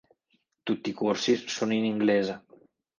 Tutti i corsi sono in inglese.